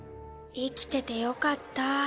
生きててよかった。